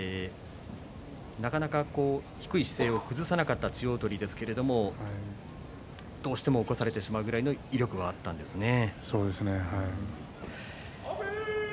なかなか低い姿勢を崩さなかった千代鳳ですがどうしても起こされてしまう威力があったんですね。